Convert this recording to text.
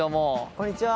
こんにちは。